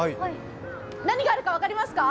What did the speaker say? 何があるか分かりますか？